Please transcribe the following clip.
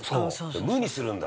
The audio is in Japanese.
「無にするんだ」